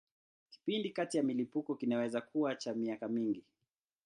Kipindi kati ya milipuko kinaweza kuwa cha miaka mingi.